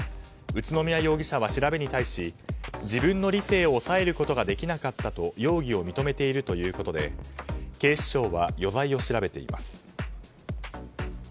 宇都宮容疑者は、調べに対し自分の理性を抑えることができなかったと容疑を認めているということで警視庁は余罪を調べています。